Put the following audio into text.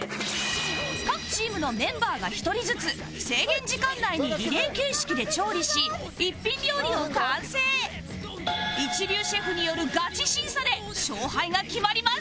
各チームのメンバーが１人ずつ制限時間内に一流シェフによるガチ審査で勝敗が決まります